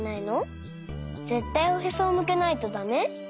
ぜったいおへそをむけないとだめ？